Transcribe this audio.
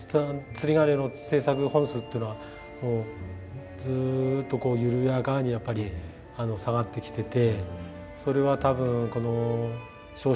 釣り鐘の製作本数っていうのはもうずっとこう緩やかにやっぱり下がってきてて。